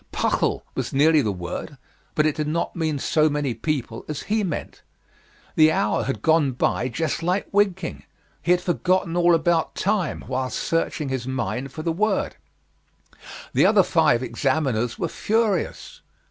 Puckle was nearly the word, but it did not mean so many people as he meant. The hour had gone by just like winking; he had forgotten all about time while searching his mind for the word. The other five [examiners] were furious....